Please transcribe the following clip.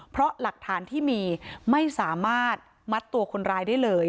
เพราะหลักฐานที่มีไม่สามารถมัดตัวคนร้ายได้เลย